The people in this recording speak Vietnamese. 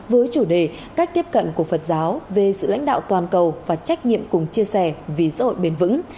với chủ đề cách tiếp cận của phật giáo về sự lãnh đạo toàn cầu và trách nhiệm cùng chia sẻ vì xã hội bền vững